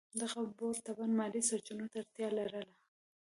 دغه بورډ طبعاً مالي سرچینو ته اړتیا لرله.